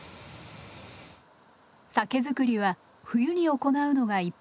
酒造りは冬に行うのが一般的。